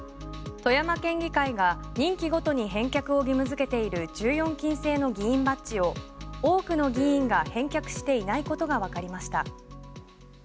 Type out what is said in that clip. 富山県議会が任期ごとに返却を義務付けている１４金製の議員バッジを多くの議員が返却していないことがわかりました。